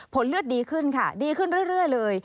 เลือดดีขึ้นค่ะดีขึ้นเรื่อยเลย